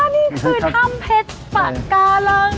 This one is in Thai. นี่คือถ้ำเพชรปากกาลัง